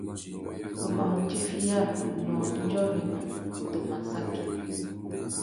Ngu má mù atiya, nnú djômena, tu má saki.